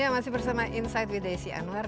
ya masih bersama insight with desi anwar